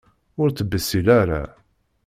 Ur ttbessil ara!